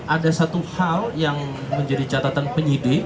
ada satu hal yang menjadi catatan penyidik